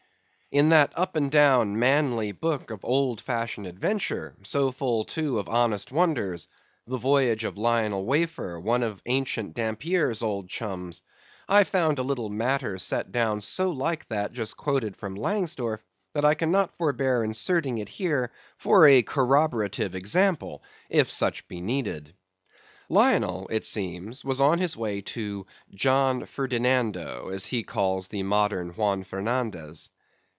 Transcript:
In that up and down manly book of old fashioned adventure, so full, too, of honest wonders—the voyage of Lionel Wafer, one of ancient Dampier's old chums—I found a little matter set down so like that just quoted from Langsdorff, that I cannot forbear inserting it here for a corroborative example, if such be needed. Lionel, it seems, was on his way to "John Ferdinando," as he calls the modern Juan Fernandes.